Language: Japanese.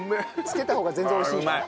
付けた方が全然美味しい。